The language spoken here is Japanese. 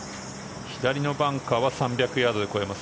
左のバンカーは３００ヤードで越えます。